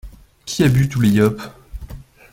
Qui a bu tous les Yops?!